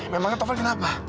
memangnya taufan kenapa